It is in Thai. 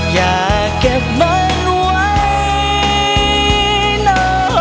อย่าเก็บมันไว้นะ